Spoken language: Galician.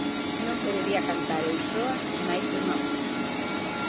Non podería cantar eu soa máis dunha hora.